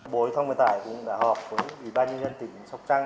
bộ thông viên tài cũng đã hợp với bà nhân dân tỉnh sóc trăng